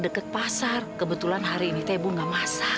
dekat pasar kebetulan hari ini tebu enggak masak